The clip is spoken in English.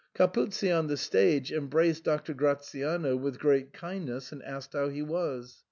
Capuzzi on the stage embraced Doctor Gratiano with great kindness, and asked how he was.